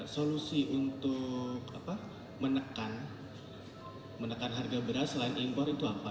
solusi untuk menekan harga beras selain impor itu apa